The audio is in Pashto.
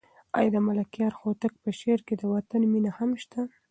آیا د ملکیار هوتک په شعر کې د وطن مینه هم شته؟